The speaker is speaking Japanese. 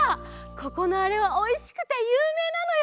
ここのあれはおいしくてゆうめいなのよ。